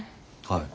はい。